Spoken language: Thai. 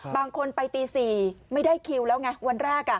บางคนไปตี๔ไม่ได้คิวแล้วไงวันแรก